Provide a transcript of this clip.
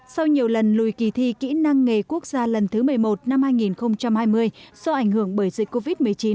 sau nhiều lần lùi kỳ thi kỹ năng nghề quốc gia lần thứ một mươi một năm hai nghìn hai mươi do ảnh hưởng bởi dịch covid một mươi chín